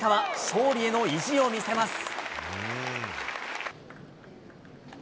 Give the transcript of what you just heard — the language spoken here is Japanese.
勝利への意地を見せます。